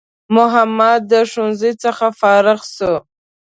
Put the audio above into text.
محمد د ښوونځی څخه فارغ سو